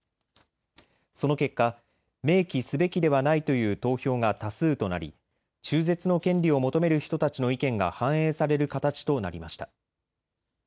その結果、明記すべきではないという投票が多数となり中絶の権利を求める人たちの意見が反映される形となりました。